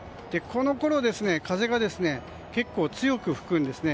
このころ風が結構強く吹くんですね。